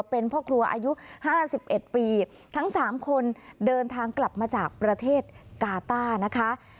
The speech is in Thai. เป็นพ่อครัวอายุ๕๑ปีทั้ง๓คนเดินทางกลับมาจากประเทศกาต้านะคะ